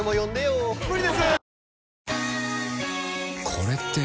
これって。